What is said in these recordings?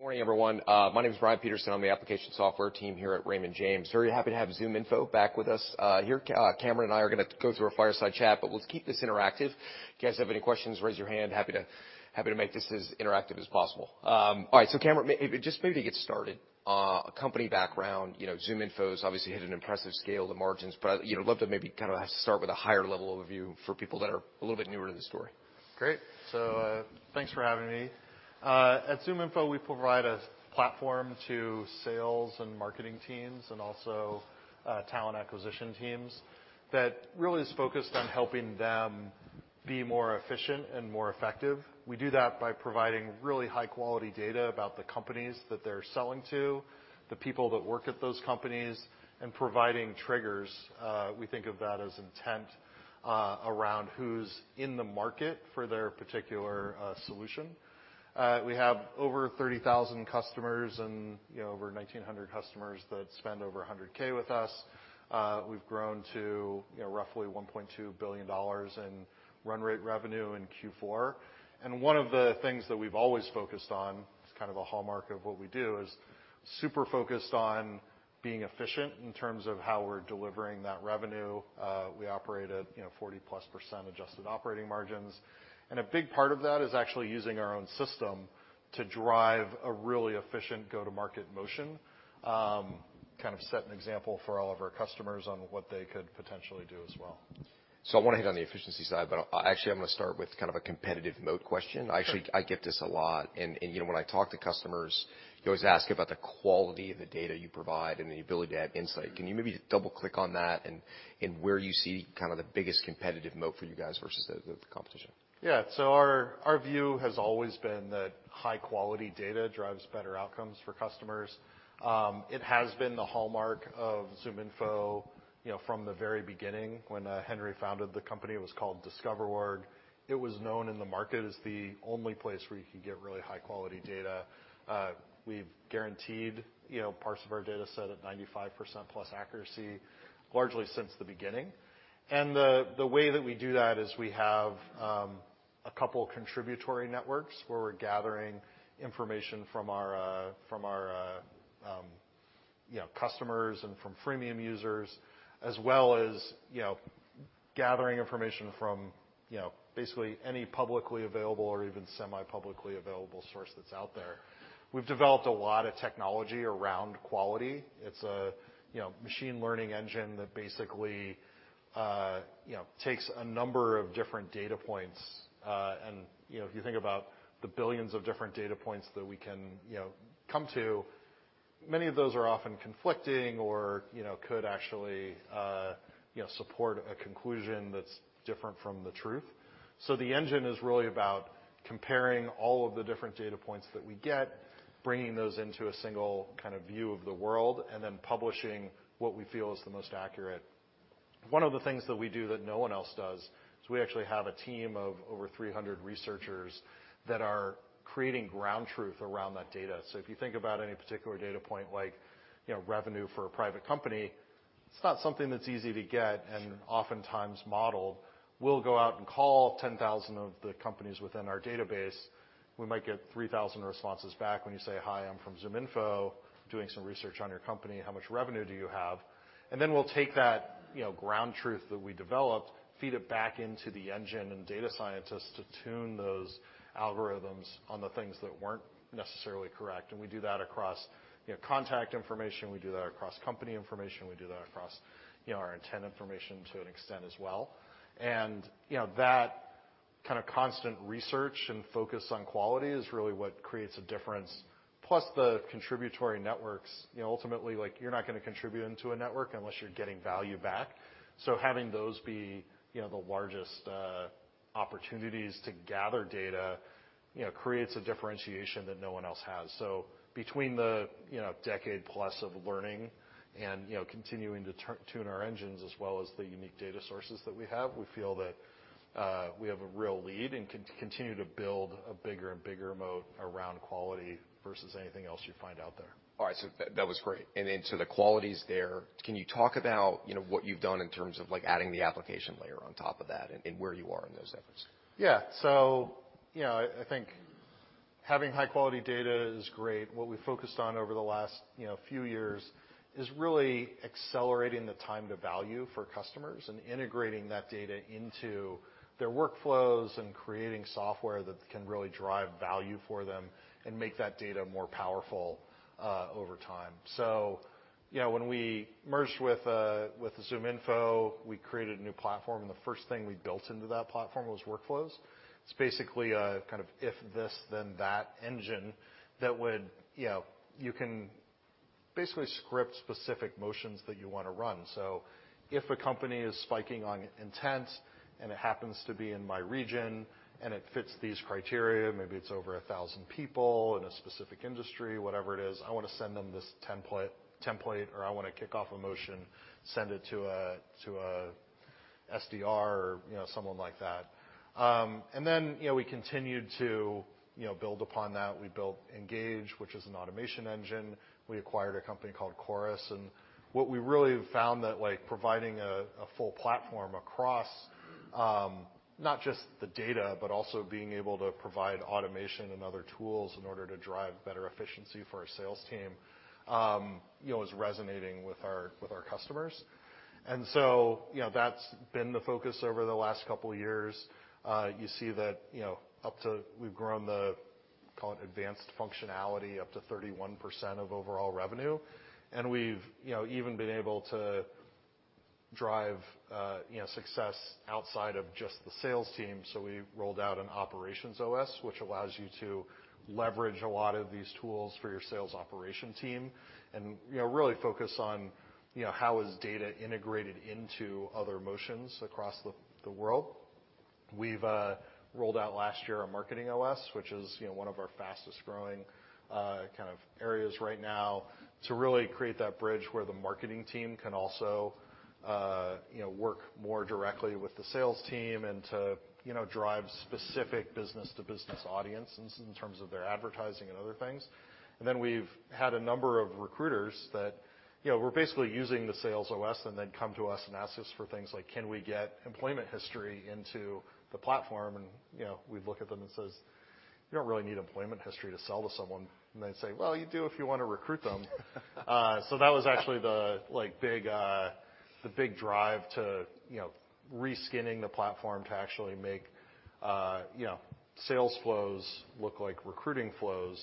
Morning, everyone. My name is Brian Peterson. I'm the application software team here at Raymond James. Very happy to have ZoomInfo back with us. Here, Cameron and I are gonna go through a fireside chat, but let's keep this interactive. If you guys have any questions, raise your hand. Happy to make this as interactive as possible. All right, Cameron, maybe just maybe to get started, a company background, you know, ZoomInfo's obviously hit an impressive scale to margins. You know, love to maybe kind of start with a higher level overview for people that are a little bit newer to the story. Great. Thanks for having me. At ZoomInfo, we provide a platform to sales and marketing teams and also talent acquisition teams that really is focused on helping them be more efficient and more effective. We do that by providing really high-quality data about the companies that they're selling to, the people that work at those companies, and providing triggers, we think of that as intent, around who's in the market for their particular solution. We have over 30,000 customers and, you know, over 1,900 customers that spend over 100K with us. We've grown to, you know, roughly $1.2 billion in run rate revenue in Q4. One of the things that we've always focused on, it's kind of a hallmark of what we do, is super focused on being efficient in terms of how we're delivering that revenue. We operate at, you know, 40+% adjusted operating margins, and a big part of that is actually using our own system to drive a really efficient go-to-market motion, kind of set an example for all of our customers on what they could potentially do as well. I wanna hit on the efficiency side, but, actually, I'm gonna start with kind of a competitive mode question. Sure. Actually, I get this a lot and you know, when I talk to customers, you always ask about the quality of the data you provide and the ability to add insight. Can you maybe double-click on that and where you see kind of the biggest competitive mode for you guys versus the competition? Yeah. Our view has always been that high-quality data drives better outcomes for customers. It has been the hallmark of ZoomInfo, you know, from the very beginning when Henry founded the company, it was called DiscoverOrg. It was known in the market as the only place where you could get really high-quality data. We've guaranteed, you know, parts of our dataset at 95% plus accuracy, largely since the beginning. The way that we do that is we have a couple contributory networks where we're gathering information from our, from our, you know, customers and from freemium users, as well as, you know, gathering information from, you know, basically any publicly available or even semi-publicly available source that's out there. We've developed a lot of technology around quality. It's a, you know, machine learning engine that basically, you know, takes a number of different data points. You know, if you think about the billions of different data points that we can, you know, come to, many of those are often conflicting or, you know, could actually, you know, support a conclusion that's different from the truth. The engine is really about comparing all of the different data points that we get, bringing those into a single kind of view of the world, and then publishing what we feel is the most accurate. One of the things that we do that no one else does is we actually have a team of over 300 researchers that are creating ground truth around that data. If you think about any particular data point like, you know, revenue for a private company, it's not something that's easy to get and oftentimes modeled. We'll go out and call 10,000 of the companies within our database. We might get 3,000 responses back when you say, "Hi, I'm from ZoomInfo, doing some research on your company. How much revenue do you have?" Then we'll take that, you know, ground truth that we developed, feed it back into the engine and data scientists to tune those algorithms on the things that weren't necessarily correct. We do that across, you know, contact information. We do that across company information. We do that across, you know, our intent information to an extent as well. You know, that kind of constant research and focus on quality is really what creates a difference. Plus the contributory networks, you know, ultimately, like you're not gonna contribute into a network unless you're getting value back. Having those be, you know, the largest opportunities to gather data, you know, creates a differentiation that no one else has. Between the, you know, decade plus of learning and, you know, continuing to tune our engines as well as the unique data sources that we have, we feel that we have a real lead and continue to build a bigger and bigger moat around quality versus anything else you find out there. All right, that was great. Then to the qualities there, can you talk about, you know, what you've done in terms of like adding the application layer on top of that and where you are in those efforts? Yeah. You know, I think having high-quality data is great. What we focused on over the last, you know, few years is really accelerating the time to value for customers and integrating that data into their workflows and creating software that can really drive value for them and make that data more powerful over time. Yeah, when we merged with ZoomInfo, we created a new platform, and the first thing we built into that platform was workflows. It's basically a kind of if this then that engine that would, you know, you can basically script specific motions that you wanna run. If a company is spiking on intents and it happens to be in my region and it fits these criteria, maybe it's over thousand people in a specific industry, whatever it is, I wanna send them this template or I wanna kick off a motion, send it to a SDR or, you know, someone like that. You know, we continued to, you know, build upon that. We built Engage, which is an automation engine. We acquired a company called Chorus. What we really have found that, like, providing a full platform across not just the data, but also being able to provide automation and other tools in order to drive better efficiency for our sales team, you know, is resonating with our, with our customers. You know, that's been the focus over the last couple years. You see that, you know, up to we've grown the, call it, advanced functionality up to 31% of overall revenue. We've, you know, even been able to drive, you know, success outside of just the sales team, so we rolled out an OperationsOS, which allows you to leverage a lot of these tools for your sales operation team and, you know, really focus on, you know, how is data integrated into other motions across the world. We've rolled out last year a MarketingOS, which is, you know, one of our fastest-growing kind of areas right now to really create that bridge where the marketing team can also, you know, work more directly with the sales team and to, you know, drive specific business-to-business audiences in terms of their advertising and other things. Then we've had a number of recruiters that, you know, were basically using the SalesOS and then come to us and ask us for things like, "Can we get employment history into the platform?" You know, we'd look at them and says, "You don't really need employment history to sell to someone." They'd say, "Well, you do if you wanna recruit them." That was actually the, like, big, the big drive to, you know, reskinning the platform to actually make, you know, sales flows look like recruiting flows,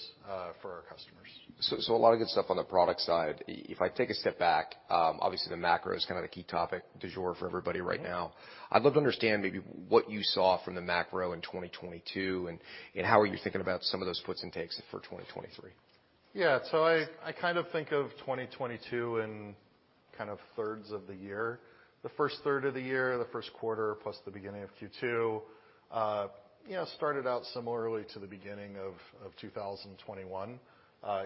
for our customers. A lot of good stuff on the product side. If I take a step back, obviously the macro is kind of the key topic du jour for everybody right now. Mm-hmm. I'd love to understand maybe what you saw from the macro in 2022, and how are you thinking about some of those puts and takes for 2023. Yeah. I kind of think of 2022 in kind of thirds of the year. The first third of the year, the first quarter plus the beginning of Q2, you know, started out similarly to the beginning of 2021.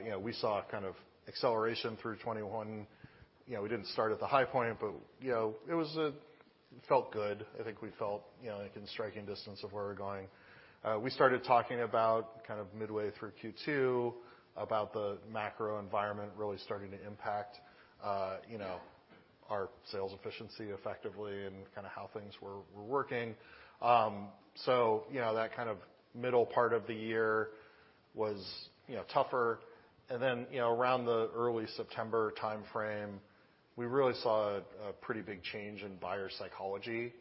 You know, we saw a kind of acceleration through 2021. You know, we didn't start at the high point, but, you know, it felt good. I think we felt, you know, like in striking distance of where we're going. We started talking about kind of midway through Q2 about the macro environment really starting to impact, you know, our sales efficiency effectively and kinda how things were working. You know, that kind of middle part of the year was, you know, tougher. Then, you know, around the early September timeframe, we really saw a pretty big change in buyer psychology.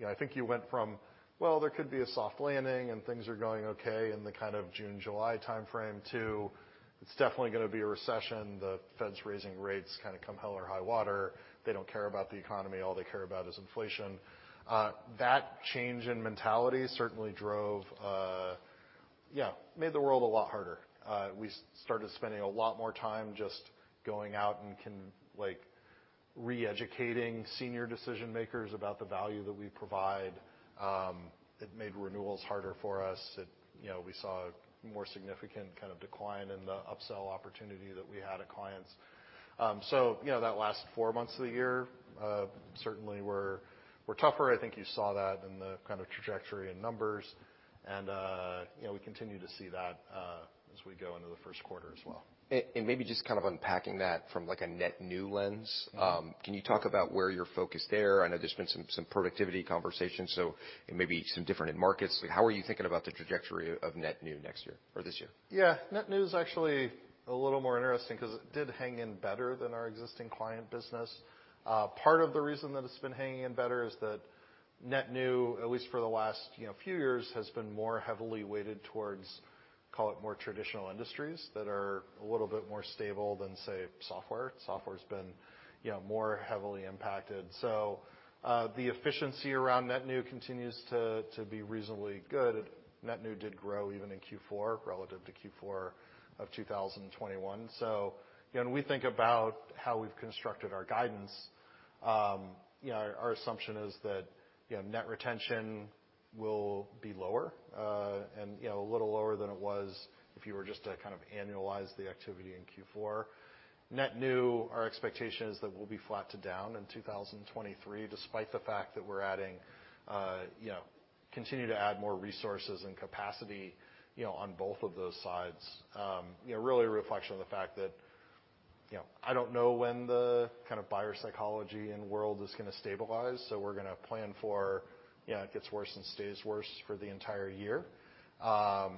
You know, I think you went from, well, there could be a soft landing and things are going okay in the kind of June, July timeframe to, it's definitely gonna be a recession. The Fed's raising rates kind of come hell or high water. They don't care about the economy. All they care about is inflation. That change in mentality certainly drove, yeah, made the world a lot harder. We started spending a lot more time just going out and like re-educating senior decision-makers about the value that we provide. It made renewals harder for us. It, you know, we saw a more significant kind of decline in the upsell opportunity that we had at clients. You know, that last four months of the year certainly were tougher. I think you saw that in the kind of trajectory in numbers, and you know, we continue to see that as we go into the first quarter as well. Maybe just kind of unpacking that from like a net new lens. Mm-hmm. Can you talk about where you're focused there? I know there's been some productivity conversations, so maybe some different end markets. How are you thinking about the trajectory of net new next year or this year? Net new is actually a little more interesting 'cause it did hang in better than our existing client business. Part of the reason that it's been hanging in better is that net new, at least for the last, you know, few years, has been more heavily weighted towards, call it, more traditional industries that are a little bit more stable than, say, software. Software's been, you know, more heavily impacted. The efficiency around net new continues to be reasonably good. Net new did grow even in Q4 relative to Q4 of 2021. When we think about how we've constructed our guidance, our assumption is that, you know, net retention will be lower, and a little lower than it was if you were just to kind of annualize the activity in Q4. Net new, our expectation is that we'll be flat to down in 2023, despite the fact that we're adding, you know, continue to add more resources and capacity, you know, on both of those sides. You know, really a reflection of the fact that, you know, I don't know when the kind of buyer psychology and world is gonna stabilize. We're gonna plan for, you know, it gets worse and stays worse for the entire year. At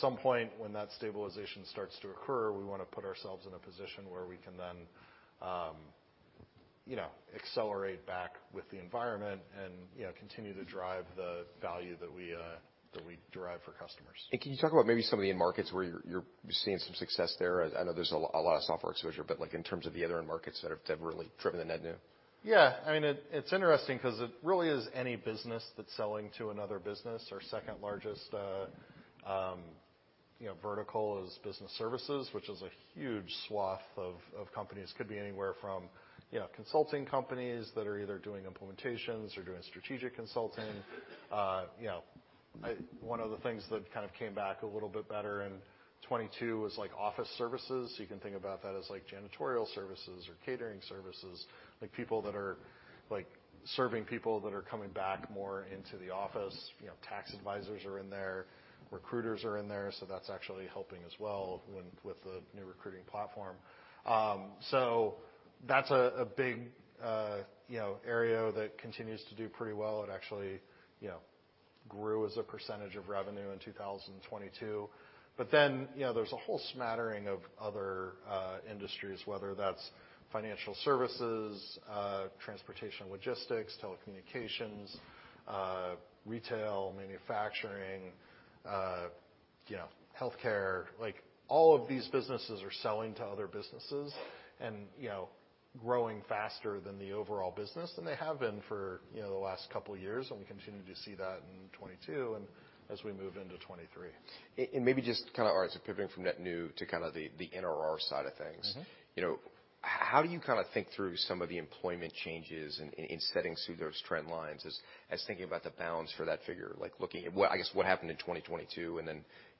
some point when that stabilization starts to occur, we wanna put ourselves in a position where we can then, you know, accelerate back with the environment and, you know, continue to drive the value that we that we derive for customers. Can you talk about maybe some of the end markets where you're seeing some success there? I know there's a lot of software exposure, but like in terms of the other end markets that have really driven the net new. Yeah. I mean, it's interesting 'cause it really is any business that's selling to another business. Our second-largest, you know, vertical is business services, which is a huge swath of companies. Could be anywhere from, you know, consulting companies that are either doing implementations or doing strategic consulting. You know, one of the things that kind of came back a little bit better in 2022 was, like, office services. You can think about that as like janitorial services or catering services, like, people that are, like, serving people that are coming back more into the office. You know, tax advisors are in there, recruiters are in there, that's actually helping as well with the new recruiting platform. That's a big, you know, area that continues to do pretty well. It actually, you know, grew as a percentange of revenue in 2022. You know, there's a whole smattering of other industries, whether that's financial services, transportation logistics, telecommunications, retail, manufacturing, you know, healthcare. Like, all of these businesses are selling to other businesses and, you know, growing faster than the overall business, and they have been for, you know, the last couple years, and we continue to see that in 2022 and as we move into 2023. Maybe just kinda as a pivoting from net new to kinda the NRR side of things. Mm-hmm. You know, how do you kinda think through some of the employment changes in setting seats' trend lines as thinking about the balance for that figure? Like, looking at what happened in 2022,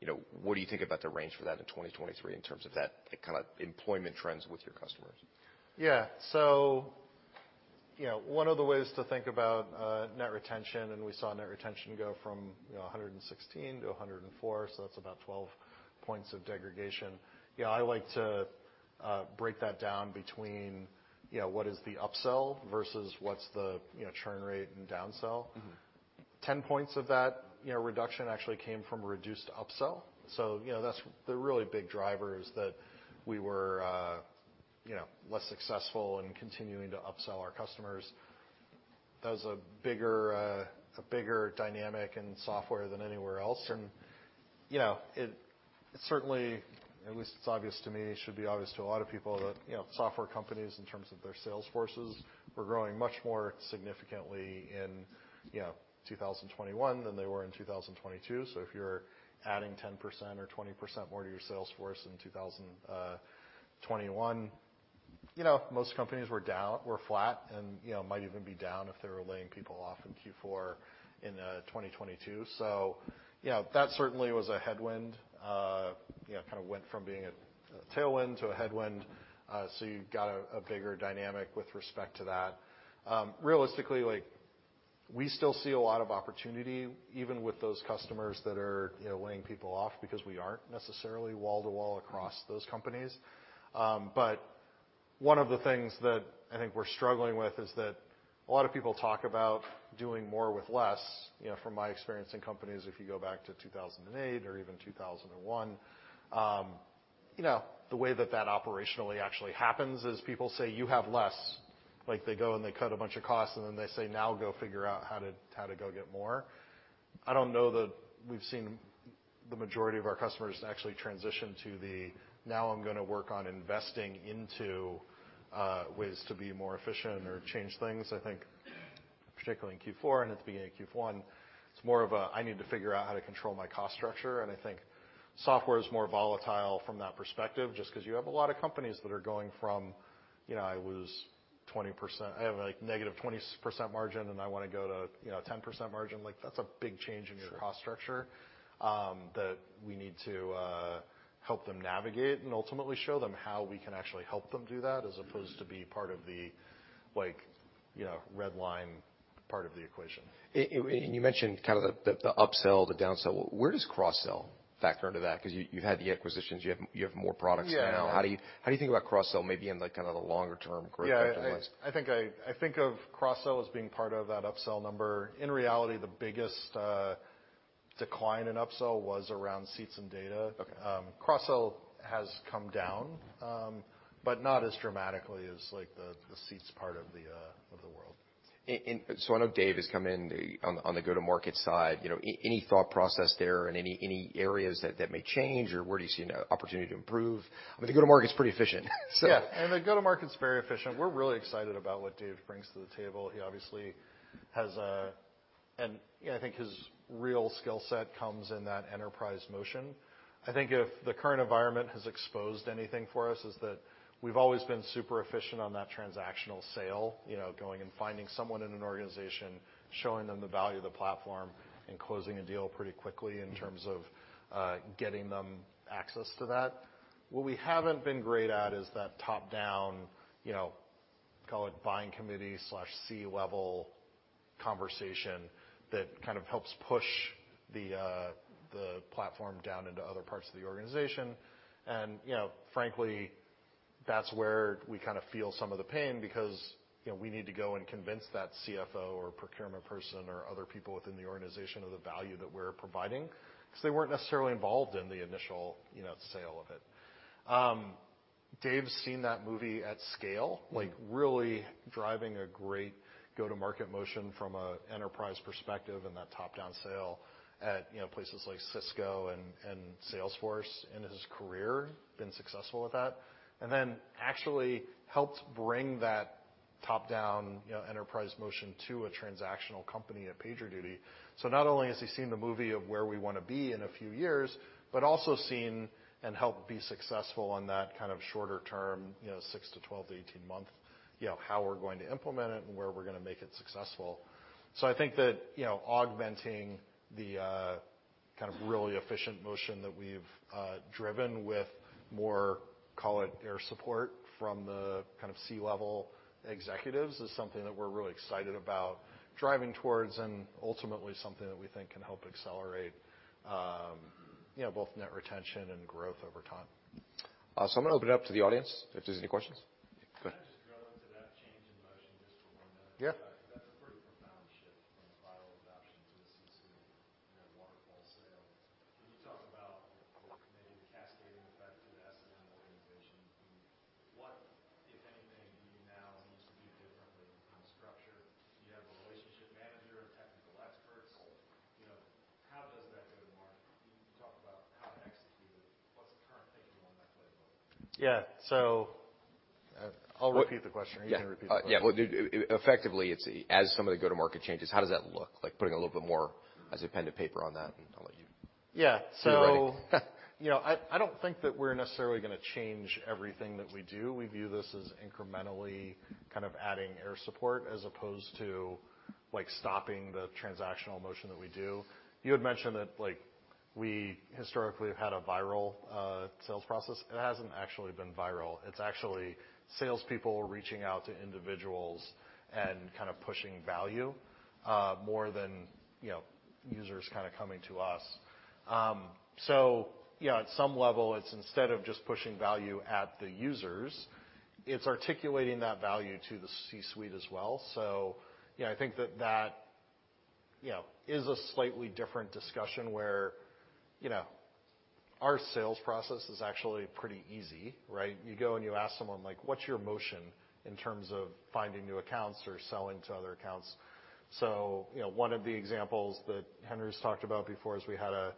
you know, what do you think about the range for that in 2023 in terms of that kind of employment trends with your customers? Yeah. You know, one of the ways to think about, net retention, and we saw net retention go from, you know, 116 to 104, so that's about 12 points of degradation. You know, I like to, break that down between, you know, what is the upsell versus what's the, you know, churn rate and down sell. Mm-hmm. 10 points of that, you know, reduction actually came from a reduced upsell. You know, that's the really big driver, is that we were, you know, less successful in continuing to upsell our customers. That was a bigger, a bigger dynamic in software than anywhere else. You know, it certainly, at least it's obvious to me, should be obvious to a lot of people that, you know, software companies in terms of their sales forces were growing much more significantly in, you know, 2021 than they were in 2022. If you're adding 10% or 20% more to your sales force in 2021, you know, most companies were down or flat and, you know, might even be down if they were laying people off in Q4 in 2022. You know, that certainly was a headwind. You know, kind of went from being a tailwind to a headwind. You got a bigger dynamic with respect to that. Realistically, like, we still see a lot of opportunity even with those customers that are, you know, laying people off because we aren't necessarily wall to wall across those companies. One of the things that I think we're struggling with is that a lot of people talk about doing more with less. You know, from my experience in companies, if you go back to 2008 or even 2001, you know, the way that that operationally actually happens is people say you have less. Like, they go and they cut a bunch of costs and then they say, "Now go figure out how to go get more." I don't know that we've seen the majority of our customers actually transition to the, "Now I'm gonna work on investing into ways to be more efficient or change things." I think particularly in Q4 and at the beginning of Q1, it's more of a, "I need to figure out how to control my cost structure." I think software is more volatile from that perspective, just 'cause you have a lot of companies that are going from, you know, like, negative 20% margin and I wanna go to, you know, 10% margin. Like, that's a big change in your cost structure, that we need to help them navigate and ultimately show them how we can actually help them do that as opposed to be part of the, like, you know, red line part of the equation. You mentioned kind of the upsell, the downsell. Where does cross-sell factor into that? 'Cause you had the acquisitions, you have more products now. Yeah. How do you think about cross-sell maybe in, like, kind of the longer term growth potential-wise? Yeah. I think of cross-sell as being part of that upsell number. In reality, the biggest decline in upsell was around seats and data. Okay. cross-sell has come down, but not as dramatically as, like, the seats part of the world. I know Dave has come in on the go-to-market side. You know, any thought process there and any areas that may change or where do you see an opportunity to improve? I mean, the go-to-market's pretty efficient, so. Yeah. I mean, the go-to-market's very efficient. We're really excited about what Dave brings to the table. He obviously has a... You know, I think his real skill set comes in that enterprise motion. I think if the current environment has exposed anything for us, is that we've always been super efficient on that transactional sale. You know, going and finding someone in an organization, showing them the value of the platform, and closing a deal pretty quickly in terms of getting them access to that. What we haven't been great at is that top-down, you know, call it buying committee/C-level conversation that kind of helps push the platform down into other parts of the organization. You know, frankly, that's where we kind of feel some of the pain because, you know, we need to go and convince that CFO or procurement person or other people within the organization of the value that we're providing 'cause they weren't necessarily involved in the initial, you know, sale of it. Dave's seen that movie at scale, like really driving a great go-to-market motion from an enterprise perspective and that top-down sale at, you know, places like Cisco and Salesforce in his career, been successful with that. Actually helped bring that top-down, you know, enterprise motion to a transactional company at PagerDuty. Not only has he seen the movie of where we wanna be in a few years, but also seen and help be successful on that kind of shorter term, you know, six to 12 to 18 month, you know, how we're going to implement it and where we're gonna make it successful. I think that, you know, augmenting the kind of really efficient motion that we've driven with more, call it air support from the kind of C-level executives is something that we're really excited about driving towards and ultimately something that we think can help accelerate, you know, both net retention and growth over time. I'm gonna open it up to the audience if there's any questions. Go ahead. Can I just drill into that change in motion just for 1 minute? Yeah. That's a pretty profound shift from viral adoption to C-suite, you know, waterfall sales. Can you talk about maybe the cascading effect through the S&M organization? What, if anything, do you now need to do differently from structure? Do you have a relationship manager, technical experts? You know, how does that go to market? Can you talk about how to execute it? What's the current thinking on that playbook? Yeah. I'll repeat the question or you can repeat the question. Yeah. Well, effectively, it's as some of the go-to-market changes, how does that look? Like, putting a little bit more, I guess, pen to paper on that, and I'll let you. Yeah. Be ready. You know, I don't think that we're necessarily gonna change everything that we do. We view this as incrementally kind of adding air support as opposed to, like, stopping the transactional motion that we do. You had mentioned that, like, we historically have had a viral sales process. It hasn't actually been viral. It's actually salespeople reaching out to individuals and kind of pushing value more than, you know, users kinda coming to us. Yeah, at some level, it's instead of just pushing value at the users, it's articulating that value to the C-suite as well. Yeah, I think that that, you know, is a slightly different discussion where, you know, our sales process is actually pretty easy, right? You go and you ask someone, like, "What's your motion in terms of finding new accounts or selling to other accounts?" You know, one of the examples that Henry's talked about before is we had a,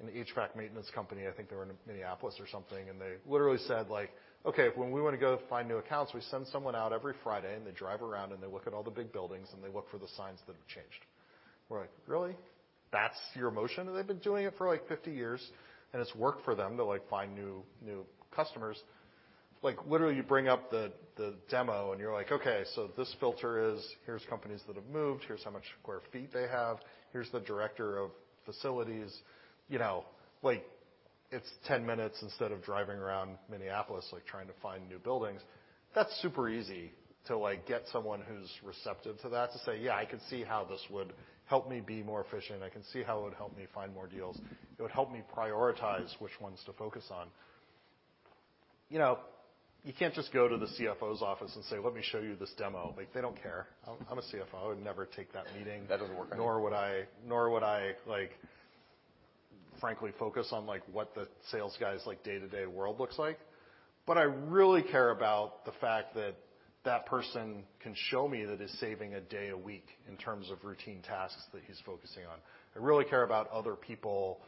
an HVAC maintenance company, I think they were in Minneapolis or something, and they literally said, like, "Okay, when we wanna go find new accounts, we send someone out every Friday, and they drive around, and they look at all the big buildings, and they look for the signs that have changed." We're like, "Really? That's your motion?" They've been doing it for, like, 50 years, and it's worked for them to, like, find new customers. Like, literally, you bring up the demo, and you're like, "Okay, so this filter is here's companies that have moved, here's how much sq ft they have, here's the director of facilities." You know, like it's 10 minutes instead of driving around Minneapolis, like, trying to find new buildings. That's super easy to, like, get someone who's receptive to that to say, "Yeah, I can see how this would help me be more efficient. I can see how it would help me find more deals. It would help me prioritize which ones to focus on." You know, you can't just go to the CFO's office and say, "Let me show you this demo." Like, they don't care. I'm a CFO, I would never take that meeting. That doesn't work. Nor would I, like, frankly focus on, like, what the sales guy's, like, day-to-day world looks like. I really care about the fact that that person can show me that it's saving a day a week in terms of routine tasks that he's focusing on. I really care about other people,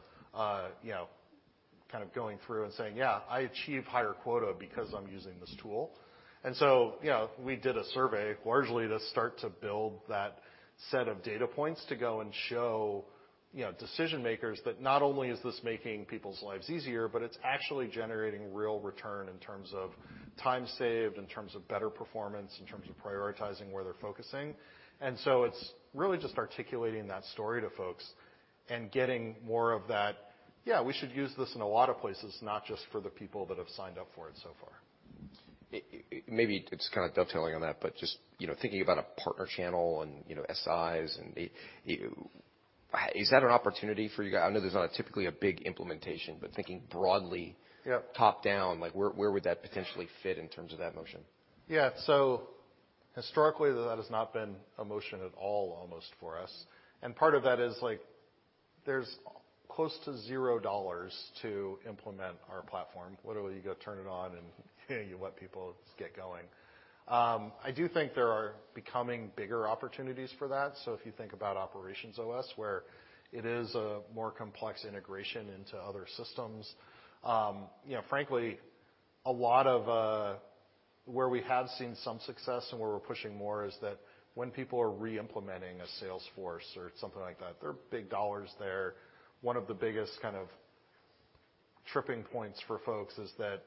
you know, kind of going through and saying, "Yeah, I achieve higher quota because I'm using this tool." You know, we did a survey largely to start to build that set of data points to go and show, you know, decision-makers that not only is this making people's lives easier, but it's actually generating real return in terms of time saved, in terms of better performance, in terms of prioritizing where they're focusing. It's really just articulating that story to folks and getting more of that, "Yeah, we should use this in a lot of places, not just for the people that have signed up for it so far. Maybe it's kind of dovetailing on that, but just, you know, thinking about a partner channel and, you know, SIs and the. Is that an opportunity for you? I know there's not typically a big implementation, but thinking broadly. Yeah. Top down, like, where would that potentially fit in terms of that motion? Yeah. Historically, that has not been a motion at all almost for us. Part of that is, like, there's close to $0 to implement our platform. Literally, you go turn it on, you let people get going. I do think there are becoming bigger opportunities for that. If you think about OperationsOS, where it is a more complex integration into other systems, you know, frankly, a lot of where we have seen some success and where we're pushing more is that when people are reimplementing a Salesforce or something like that, there are big dollars there. One of the biggest kind of tripping points for folks is that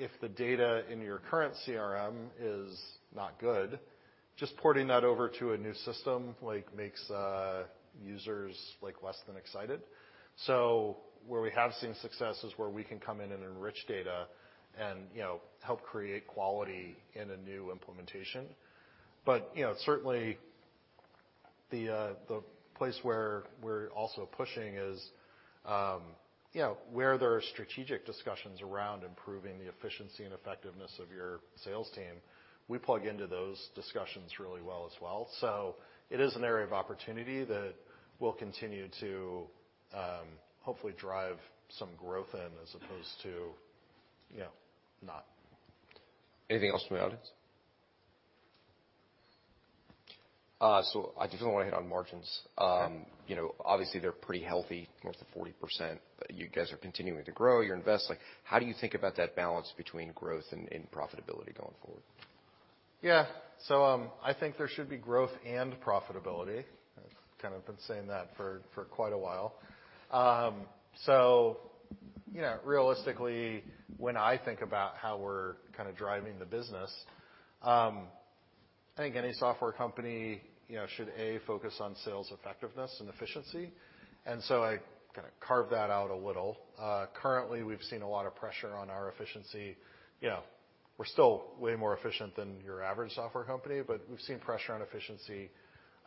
if the data in your current CRM is not good, just porting that over to a new system, like, makes users, like, less than excited. Where we have seen success is where we can come in and enrich data and, you know, help create quality in a new implementation. You know, certainly the place where we're also pushing is, you know, where there are strategic discussions around improving the efficiency and effectiveness of your sales team, we plug into those discussions really well as well. It is an area of opportunity that we'll continue to, hopefully drive some growth in as opposed to, you know, not. Anything else from the audience? I just wanna hit on margins. You know, obviously they're pretty healthy, almost a 40%. You guys are continuing to grow, you're investing. How do you think about that balance between growth and profitability going forward? Yeah. I think there should be growth and profitability. Kind of been saying that for quite a while. You know, realistically, when I think about how we're kind of driving the business, I think any software company, you know, should, A, focus on sales effectiveness and efficiency, I kind of carved that out a little. Currently, we've seen a lot of pressure on our efficiency. You know, we're still way more efficient than your average software company, but we've seen pressure on efficiency.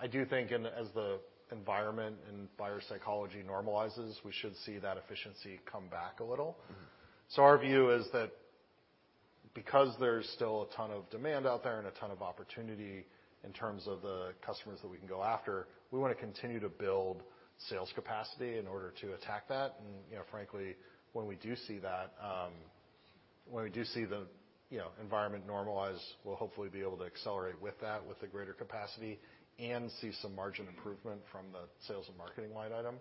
I do think as the environment and buyer psychology normalizes, we should see that efficiency come back a little. Mm-hmm. Our view is that because there's still a ton of demand out there and a ton of opportunity in terms of the customers that we can go after, we wanna continue to build sales capacity in order to attack that. You know, frankly, when we do see that, when we do see the, you know, environment normalize, we'll hopefully be able to accelerate with that with a greater capacity and see some margin improvement from the sales and marketing line item.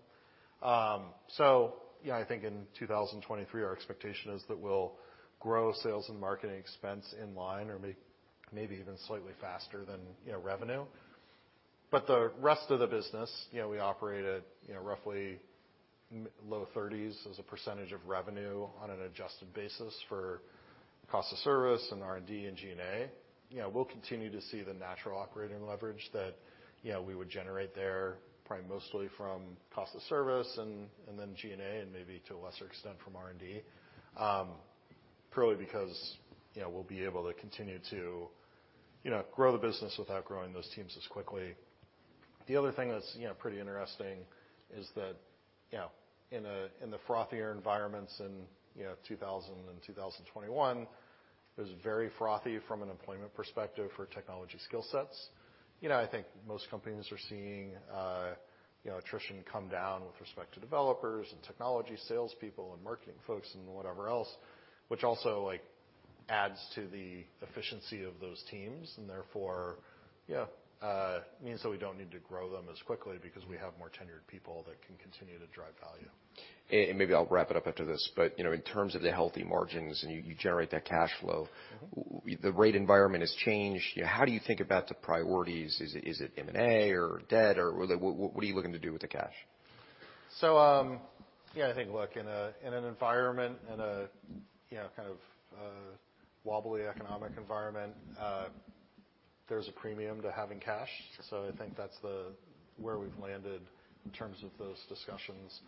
You know, I think in 2023, our expectation is that we'll grow sales and marketing expense in line or maybe even slightly faster than, you know, revenue. The rest of the business, you know, we operate at, you know, roughly mid-low 30s as a percentage of revenue on an adjusted basis for cost of service and R&D and G&A. You know, we'll continue to see the natural operating leverage that, you know, we would generate there, probably mostly from cost of service and then G&A, and maybe to a lesser extent from R&D, purely because, you know, we'll be able to continue to, you know, grow the business without growing those teams as quickly. The other thing that's, you know, pretty interesting is that, you know, in a, in the frothier environments in, you know, 2000 and 2021, it was very frothy from an employment perspective for technology skill sets. You know, I think most companies are seeing, you know, attrition come down with respect to developers and technology salespeople and marketing folks and whatever else, which also, like, adds to the efficiency of those teams, and therefore, yeah, means that we don't need to grow them as quickly because we have more tenured people that can continue to drive value. and maybe I'll wrap it up after this, but, you know, in terms of the healthy margins, and you generate that cash flow... Mm-hmm. The rate environment has changed. You know, how do you think about the priorities? Is it M&A or debt or what are you looking to do with the cash? Yeah, I think, look, in a, in an environment, in a, you know, kind of, wobbly economic environment, there's a premium to having cash. Sure. I think that's where we've landed in terms of those discussions.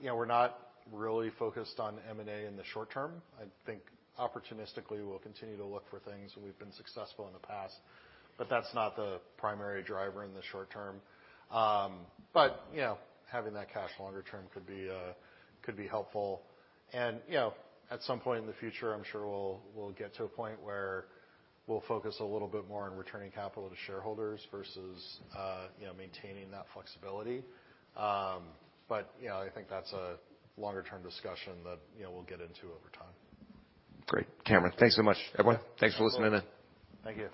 You know, we're not really focused on M&A in the short term. I think opportunistically, we'll continue to look for things, and we've been successful in the past. That's not the primary driver in the short term. You know, having that cash longer term could be helpful. You know, at some point in the future, I'm sure we'll get to a point where we'll focus a little bit more on returning capital to shareholders versus, you know, maintaining that flexibility. You know, I think that's a longer-term discussion that, you know, we'll get into over time. Great. Cameron, thanks so much. Everyone, thanks for listening in. Thank you.